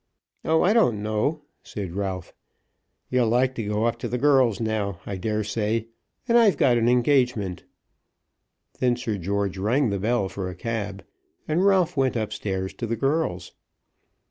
"Oh, I don't know," said Ralph. "You'll like to go up to the girls now, I dare say, and I've got an engagement." Then Sir George rang the bell for a cab, and Ralph went up stairs to the girls.